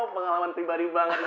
pengalaman pribadi banget nih